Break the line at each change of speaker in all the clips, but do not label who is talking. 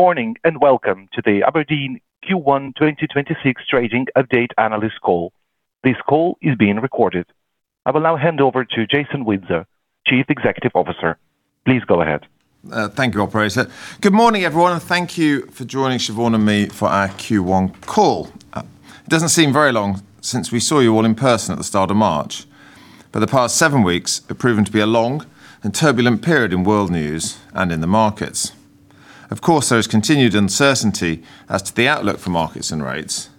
Morning, and welcome to the Aberdeen Q1 2026 Trading Update Analyst Call. This call is being recorded. I will now hand over to Jason Windsor, Chief Executive Officer. Please go ahead.
Thank you, operator. Good morning, everyone, and thank you for joining Siobhan and me for our Q1 call. It doesn't seem very long since we saw you all in person at the start of March, but the past seven weeks have proven to be a long and turbulent period in world news and in the markets. Of course, there is continued uncertainty as to the outlook for markets and rates,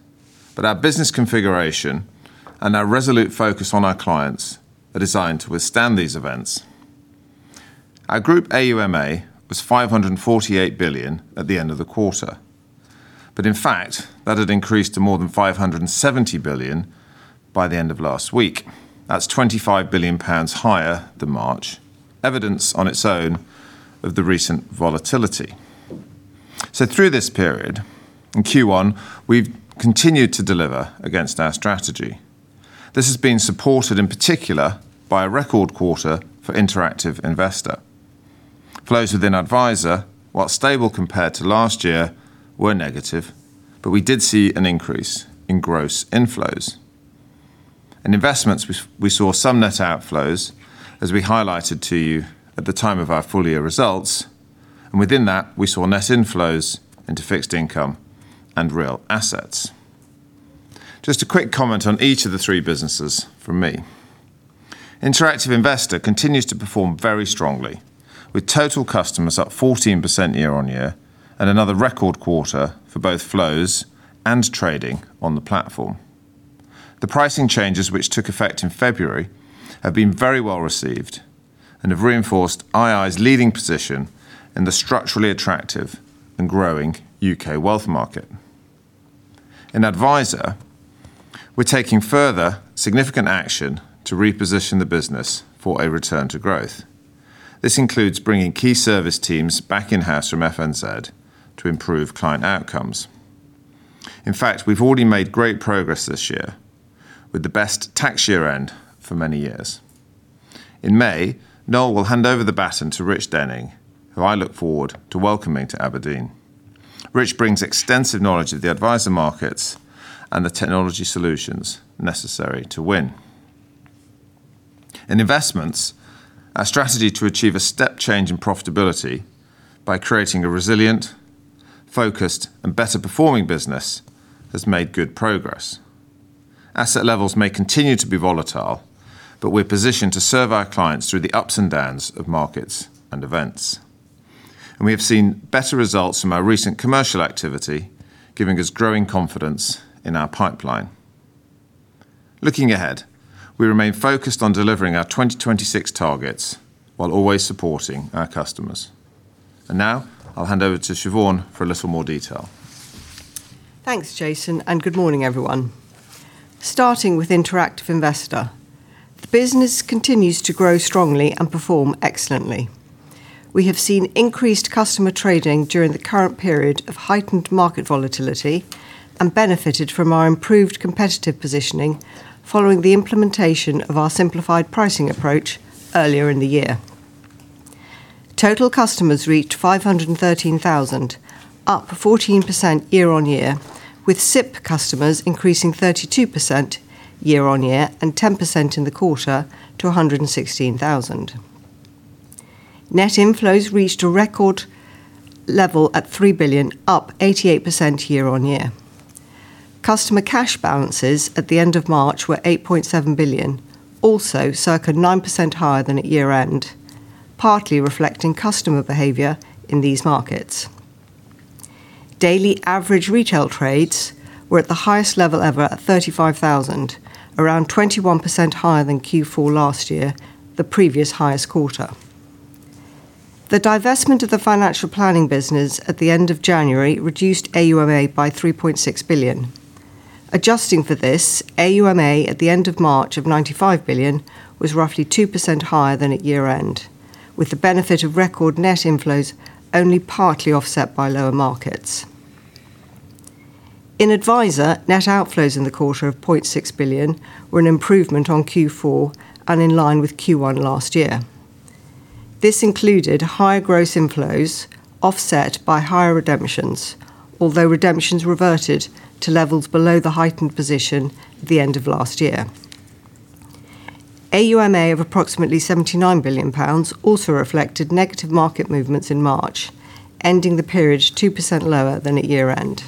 but our business configuration and our resolute focus on our clients are designed to withstand these events. Our group AUMA was 548 billion at the end of the quarter. In fact, that had increased to more than 570 billion by the end of last week. That's 25 billion pounds higher than March, evidence on its own of the recent volatility. Through this period, in Q1, we've continued to deliver against our strategy. This has been supported, in particular, by a record quarter for Interactive Investor. Flows within Adviser, while stable compared to last year, were negative, but we did see an increase in gross inflows. In investments, we saw some net outflows as we highlighted to you at the time of our full-year results. Within that, we saw net inflows into fixed income and real assets. Just a quick comment on each of the three businesses from me. Interactive Investor continues to perform very strongly, with total customers up 14% year-on-year and another record quarter for both flows and trading on the platform. The pricing changes which took effect in February have been very well received and have reinforced ii's leading position in the structurally attractive and growing U.K. wealth market. In Adviser, we're taking further significant action to reposition the business for a return to growth. This includes bringing key service teams back in-house from FNZ to improve client outcomes. In fact, we've already made great progress this year with the best tax year-end for many years. In May, Noel will hand over the baton to Rich Denning, who I look forward to welcoming to Aberdeen. Rich brings extensive knowledge of the advisor markets and the technology solutions necessary to win. In investments, our strategy to achieve a step change in profitability by creating a resilient, focused, and better-performing business has made good progress. Asset levels may continue to be volatile, but we're positioned to serve our clients through the ups and downs of markets and events. We have seen better results from our recent commercial activity, giving us growing confidence in our pipeline. Looking ahead, we remain focused on delivering our 2026 targets while always supporting our customers. Now I'll hand over to Siobhan for a little more detail.
Thanks, Jason, and good morning, everyone. Starting with Interactive Investor. The business continues to grow strongly and perform excellently. We have seen increased customer trading during the current period of heightened market volatility and benefited from our improved competitive positioning following the implementation of our simplified pricing approach earlier in the year. Total customers reached 513,000, up 14% year-on-year, with SIPP customers increasing 32% year-on-year and 10% in the quarter to 116,000. Net inflows reached a record level at 3 billion, up 88% year-on-year. Customer cash balances at the end of March were 8.7 billion, also circa 9% higher than at year-end, partly reflecting customer behavior in these markets. Daily average retail trades were at the highest level ever at 35,000, around 21% higher than Q4 last year, the previous highest quarter. The divestment of the financial planning business at the end of January reduced AUMA by GBP 3.6 billion. Adjusting for this, AUMA at the end of March of GBP 95 billion was roughly 2% higher than at year-end, with the benefit of record net inflows only partly offset by lower markets. In Adviser, net outflows in the quarter of 0.6 billion were an improvement on Q4 and in line with Q1 last year. This included higher gross inflows offset by higher redemptions, although redemptions reverted to levels below the heightened position at the end of last year. AUMA of approximately GBP 79 billion also reflected negative market movements in March, ending the period 2% lower than at year-end.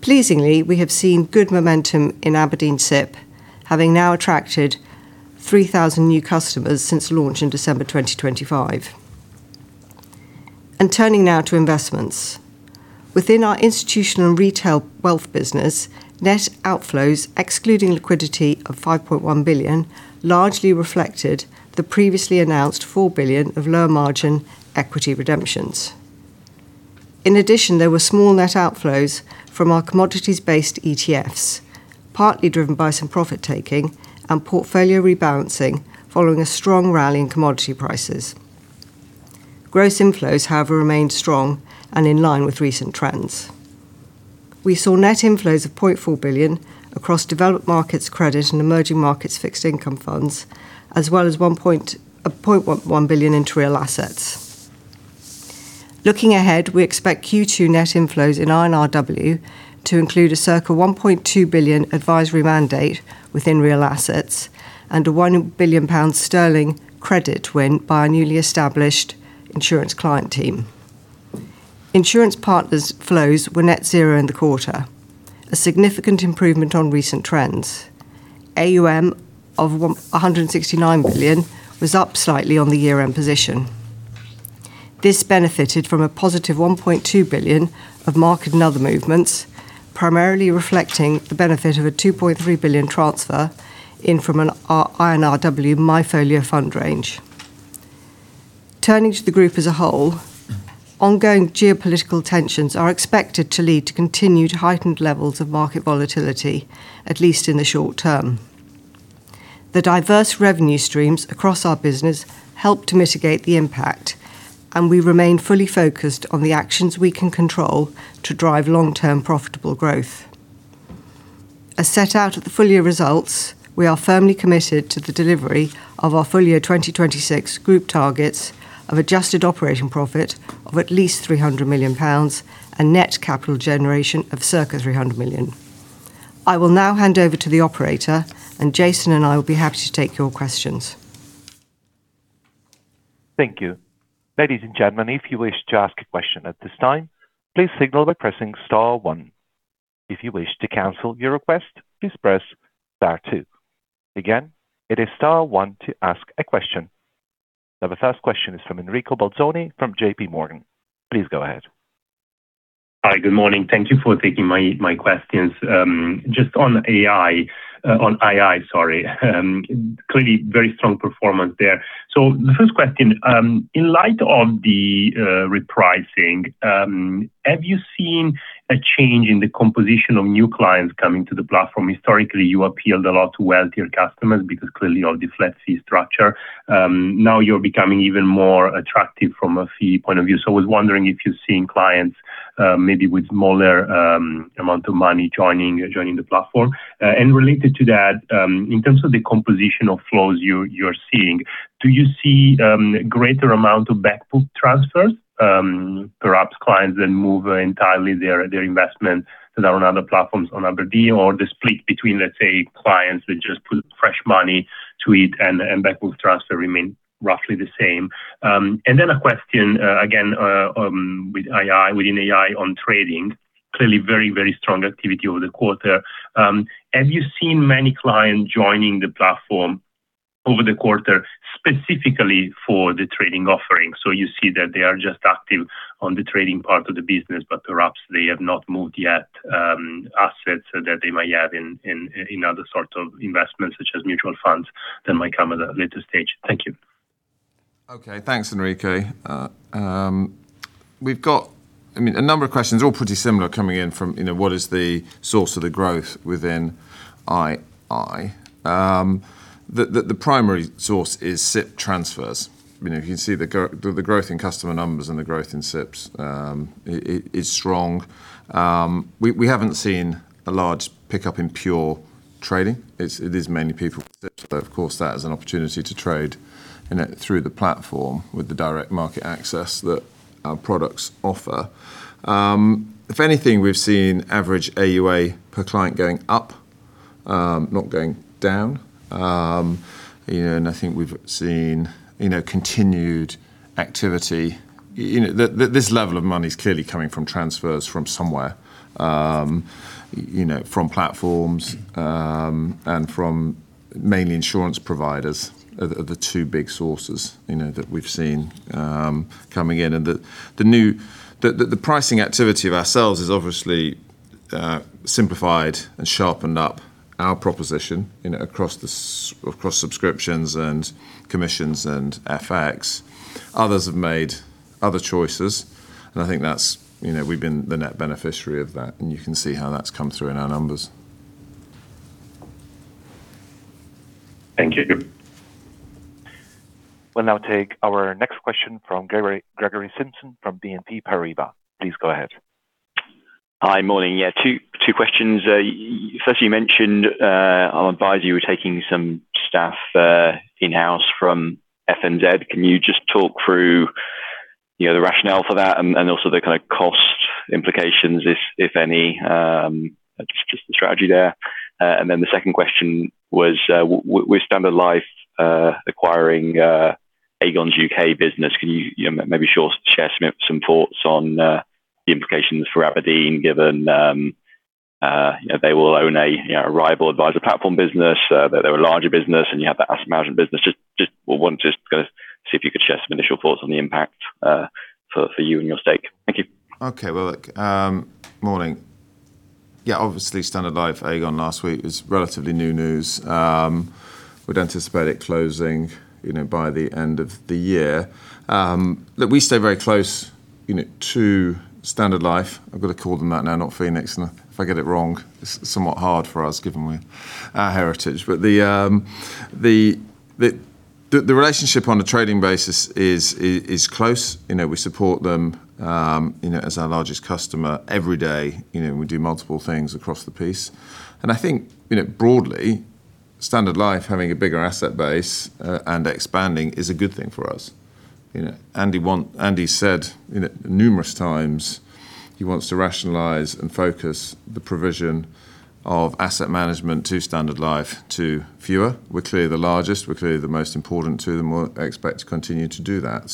Pleasingly, we have seen good momentum in Aberdeen SIPP, having now attracted 3,000 new customers since launch in December 2025. Turning now to investments. Within our institutional retail wealth business, net outflows excluding liquidity of 5.1 billion largely reflected the previously announced 4 billion of lower margin equity redemptions. In addition, there were small net outflows from our commodities-based ETFs, partly driven by some profit-taking and portfolio rebalancing following a strong rally in commodity prices. Gross inflows have remained strong and in line with recent trends. We saw net inflows of 0.4 billion across developed markets, credit and emerging markets, fixed income funds, as well as 1.1 billion into real assets. Looking ahead, we expect Q2 net inflows in INRW to include a circa 1.2 billion advisory mandate within real assets and a 1 billion sterling credit win by a newly established insurance client team. Insurance partners flows were net zero in the quarter, a significant improvement on recent trends. AUM of 169 billion was up slightly on the year-end position. This benefited from a positive 1.2 billion of market and other movements, primarily reflecting the benefit of a 2.3 billion transfer in from an INRW MyFolio fund range. Turning to the group as a whole, ongoing geopolitical tensions are expected to lead to continued heightened levels of market volatility, at least in the short term. The diverse revenue streams across our business help to mitigate the impact, and we remain fully focused on the actions we can control to drive long-term profitable growth. As set out at the full year results, we are firmly committed to the delivery of our full year 2026 group targets of adjusted operating profit of at least 300 million pounds, and net capital generation of circa 300 million. I will now hand over to the operator, and Jason and I will be happy to take your questions.
Thank you. Ladies and gentlemen, if you wish to ask a question at this time, please signal by pressing star one. If you wish to cancel your request, please press star two. Again, it is star one to ask a question. Now, the first question is from Enrico Bolzoni from JPMorgan. Please go ahead.
Hi. Good morning. Thank you for taking my questions. Just on ii, clearly very strong performance there. The first question, in light of the repricing, have you seen a change in the composition of new clients coming to the platform? Historically, you appealed a lot to wealthier customers because clearly all this flat fee structure. Now you're becoming even more attractive from a fee point of view. I was wondering if you're seeing clients, maybe with smaller amounts of money, joining the platform. Related to that, in terms of the composition of flows you're seeing, do you see greater amount of back book transfers? Perhaps clients then move entirely their investments that are on other platforms to Aberdeen, or the split between, let's say, clients who just put fresh money to it and back book transfer remain roughly the same. A question, again, within ii on trading, clearly very, very strong activity over the quarter. Have you seen many clients joining the platform over the quarter, specifically for the trading offering? You see that they are just active on the trading part of the business, but perhaps they have not moved yet assets that they might have in other sorts of investments, such as mutual funds, that might come at a later stage. Thank you.
Okay. Thanks, Enrico. We've got a number of questions, all pretty similar, coming in from, what is the source of the growth within ii? The primary source is SIPP transfers. You can see the growth in customer numbers, and the growth in SIPPs is strong. We haven't seen a large pickup in pure trading. It is mainly people with SIPP, but of course, that is an opportunity to trade through the platform with the direct market access that our products offer. If anything, we've seen average AUA per client going up, not going down. And I think we've seen continued activity. This level of money is clearly coming from transfers from somewhere. From platforms and from mainly insurance providers are the two big sources that we've seen coming in. The pricing activity of ourselves has obviously simplified and sharpened up our proposition across subscriptions and commissions, and FX. Others have made other choices. I think we've been the net beneficiary of that, and you can see how that's come through in our numbers.
Thank you.
We'll now take our next question from Gregory Simpson from BNP Paribas. Please go ahead.
Hi. Morning. Yeah, two questions. First, you mentioned in Adviser we're taking some staff in-house from FNZ. Can you just talk through the rationale for that and also the kind of cost implications, if any? Just the strategy there. The second question was, with Standard Life acquiring Aegon's U.K. business, can you maybe share some thoughts on the implications for Aberdeen, given they will own a rival advisor platform business, they're a larger business, and you have the asset management business. Just want to see if you could share some initial thoughts on the impact for you and your stake. Thank you.
Okay. Well, look. Morning. Yeah, obviously, Standard Life, Aegon last week is relatively new news. We'd anticipate it closing by the end of the year. Look, we stay very close to Standard Life. I've got to call them that now, not Phoenix. If I get it wrong, it's somewhat hard for us, given our heritage. The relationship on a trading basis is close. We support them as our largest customer every day. We do multiple things across the piece. I think, broadly, Standard Life having a bigger asset base and expanding is a good thing for us. Andy said numerous times he wants to rationalize and focus the provision of asset management to Standard Life to fewer. We're clearly the largest, we're clearly the most important to them, we'll expect to continue to do that.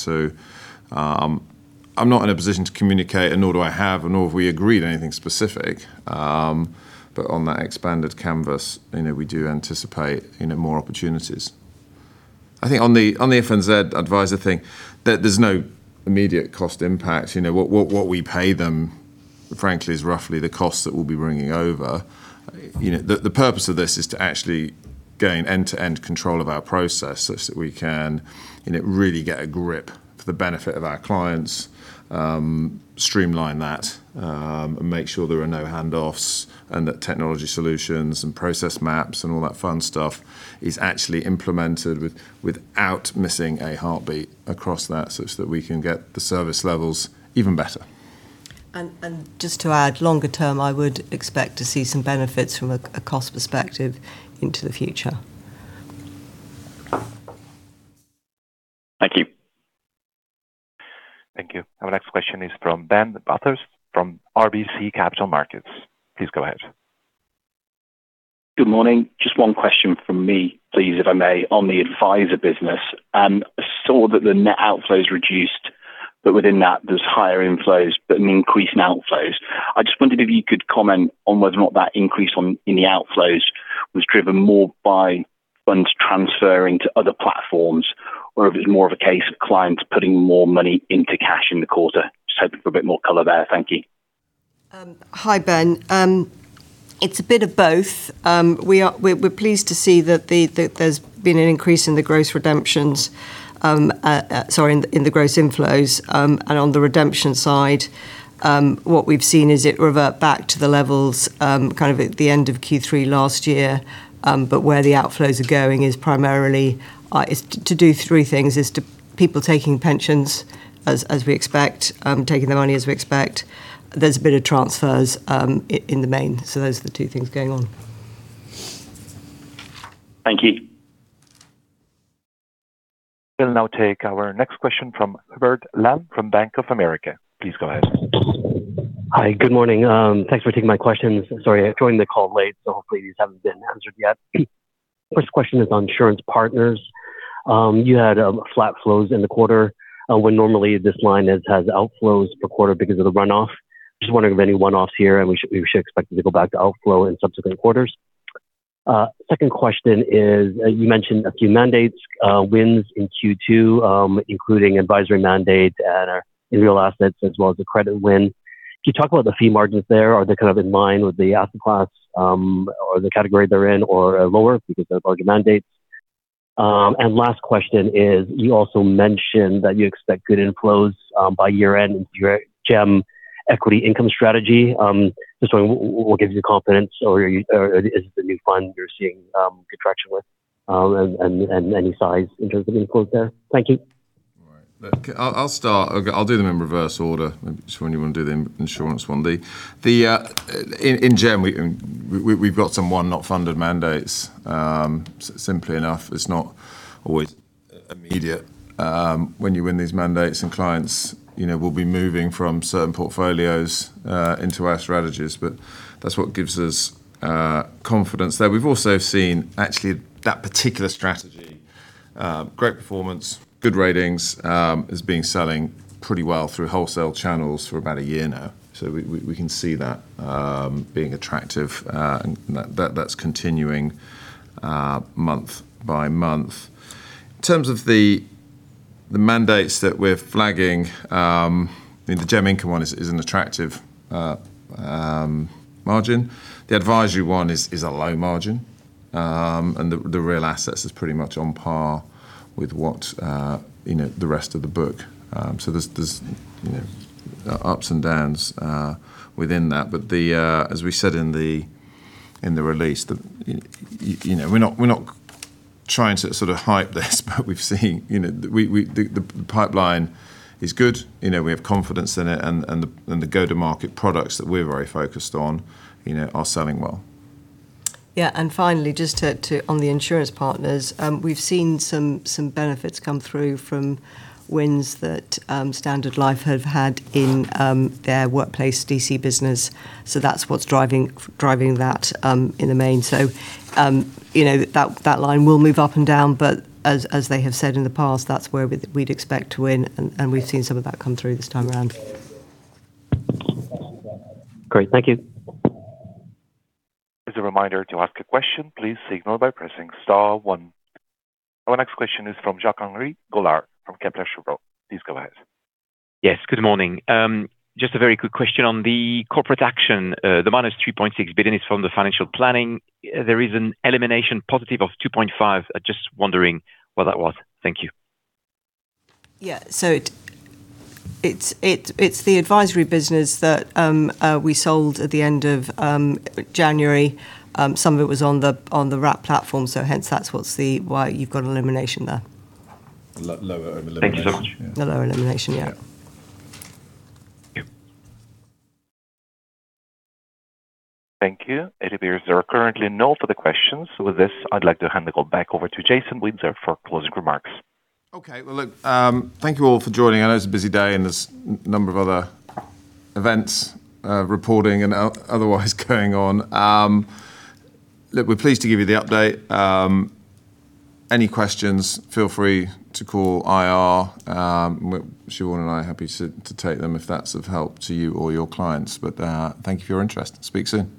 I'm not in a position to communicate and nor do I have, and nor have we agreed anything specific. On that expanded canvas, we do anticipate more opportunities. I think on the FNZ Adviser thing, there's no immediate cost impact. What we pay them, frankly, is roughly the cost that we'll be bringing over. The purpose of this is to actually gain end-to-end control of our process such that we can really get a grip for the benefit of our clients, streamline that, and make sure there are no handoffs, and that technology solutions and process maps and all that fun stuff is actually implemented without missing a heartbeat across that such that we can get the service levels even better.
Just to add, longer term, I would expect to see some benefits from a cost perspective into the future.
Thank you.
Thank you. Our next question is from Ben Bathurst from RBC Capital Markets. Please go ahead.
Good morning. Just one question from me, please, if I may. On the Adviser business. I saw that the net outflows reduced, but within that, there's higher inflows but an increase in outflows. I just wondered if you could comment on whether or not that increase in the outflows was driven more by funds transferring to other platforms, or if it's more of a case of clients putting more money into cash in the quarter. Just hoping for a bit more color there. Thank you.
Hi, Ben. It's a bit of both. We're pleased to see that there's been an increase in the gross inflows. On the redemption side, what we've seen is it revert back to the levels at the end of Q3 last year. Where the outflows are going is primarily to do three things. It's to people taking pensions as we expect, taking their money as we expect. There's a bit of transfers in the main. Those are the two things going on.
Thank you.
We'll now take our next question from Hubert Lam from Bank of America. Please go ahead.
Hi. Good morning. Thanks for taking my questions. Sorry, I joined the call late, so hopefully these haven't been answered yet. First question is on insurance partners. You had flat flows in the quarter, when normally this line has outflows per quarter because of the runoff. Just wondering if any one-offs here, and we should expect them to go back to outflow in subsequent quarters. Second question is, you mentioned a few mandates, wins in Q2, including advisory mandate and our real assets, as well as the credit win. Can you talk about the fee margins there? Are they in line with the asset class, or the category they're in, or lower because they're larger mandates? Last question is, you also mentioned that you expect good inflows by year-end in your GEM Equity Income strategy. Just wondering what gives you confidence or is it the new fund you're seeing traction with, and any size in terms of inflows there? Thank you.
All right. Look, I'll start. I'll do them in reverse order. Siobhan, you want to do the insurance one? In GEM, we've got some unfunded mandates, simple enough. It's not always immediate when you win these mandates, and clients will be moving from certain portfolios into our strategies. That's what gives us confidence there. We've also seen, actually, that particular strategy, great performance, good ratings. It's been selling pretty well through wholesale channels for about a year now. We can see that being attractive. That's continuing month by month. In terms of the mandates that we're flagging, the GEM Income one is an attractive margin. The advisory one is a low margin. The real assets is pretty much on par with what the rest of the book. There's ups and downs within that. As we said in the release, we're not trying to hype this, but the pipeline is good. We have confidence in it, and the go-to-market products that we're very focused on are selling well.
Yeah. Finally, just on the insurance partners, we've seen some benefits come through from wins that Standard Life have had in their workplace DC business. That's what's driving that in the main. That line will move up and down, but as they have said in the past, that's where we'd expect to win, and we've seen some of that come through this time around.
Great. Thank you.
As a reminder, to ask a question, please signal by pressing star one. Our next question is from Jacques-Henri Gaulard from Kepler Cheuvreux. Please go ahead.
Yes. Good morning. Just a very quick question on the corporate action. The -3.6 billion is from the financial planning. There is an elimination positive of 2.5 billion. Just wondering what that was. Thank you.
Yeah. It's the Adviser business that we sold at the end of January. Some of it was on the wrap platform, hence that's why you've got an elimination there.
A lower elimination.
Thank you so much.
A lower elimination. Yeah.
Yeah.
Thank you.
Thank you. It appears there are currently no further questions. With this, I'd like to hand the call back over to Jason Windsor for closing remarks.
Okay. Well, look, thank you all for joining. I know it's a busy day and there's number of other events, reporting and otherwise going on. Look, we're pleased to give you the update. Any questions, feel free to call IR. Siobhan and I are happy to take them if that's of help to you or your clients. Thank you for your interest. Speak soon.